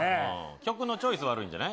曲のチョイス悪いんじゃない？